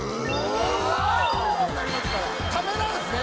ためなんですね？